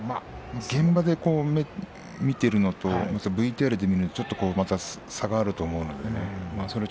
現場で見ているのとＶＴＲで見るのとまた差があると思うので。